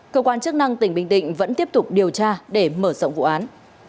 cơ quan chức năng tỉnh bình định vẫn tiếp tục điều tra để mở rộng vụ án